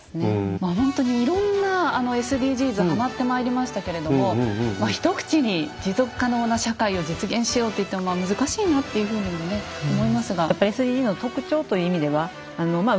まあほんとにいろんなＳＤＧｓはまってまいりましたけれども一口に持続可能な社会を実現しようと言っても難しいなというふうにもね思いますが。